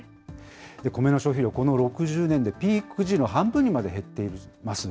コメの消費量、この６０年でピーク時の半分にまで減っています。